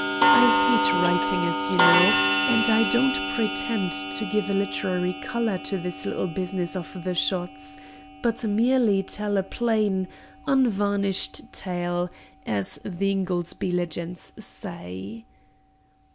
I hate writing, as you know, and don't pretend to give a literary colour to this little business of the shots, but merely tell a "plain, unvarnished tale," as the "Ingoldsby Legends" say.